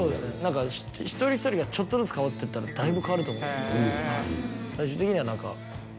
何か一人一人がちょっとずつ変わっていったらだいぶ変わると思うんですよ